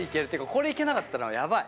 これいけなかったらやばい。